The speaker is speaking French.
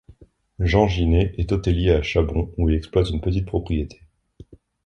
Jean Ginet est hôtelier à Châbons et où il exploite une petite propriété.